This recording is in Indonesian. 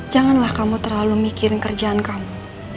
janganlah kamu terlalu mikirin kerjaan kamu